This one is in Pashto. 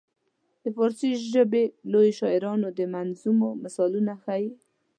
د فارسي ژبې لویو شاعرانو د نظمونو مثالونه ښيي.